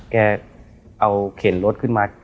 แกเขงรถขึ้นมา